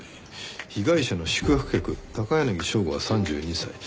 被害者の宿泊客高柳省吾は３２歳。